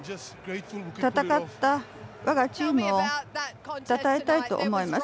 戦った我がチームをたたえたいと思います。